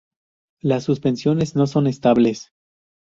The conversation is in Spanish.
Las suspensiones no son estables.